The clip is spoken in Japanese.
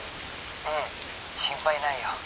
☎うん心配ないよ